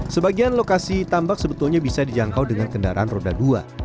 sebagian lokasi tambak sebetulnya bisa dijangkau dengan kendaraan roda dua